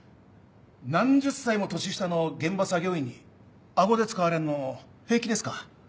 何十歳も年下の現場作業員に顎で使われるの平気ですか？